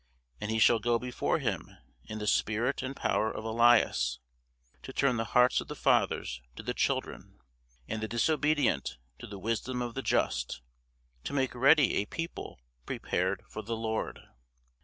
And he shall go before him in the spirit and power of Elias, to turn the hearts of the fathers to the children, and the disobedient to the wisdom of the just; to make ready a people prepared for the Lord.